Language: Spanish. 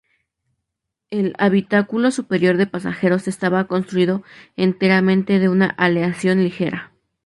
El habitáculo superior de pasajeros estaba construido enteramente de una aleación ligera.